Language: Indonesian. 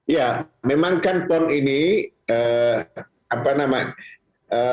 ya memang kan pon ini apa namanya